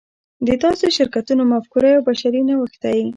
د داسې شرکتونو مفکوره یو بشري نوښت دی.